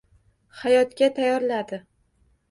Hayotga tayyorladi